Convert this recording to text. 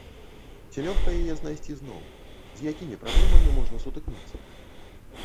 Ці лёгка яе знайсці зноў, з якімі праблемамі можна сутыкнуцца?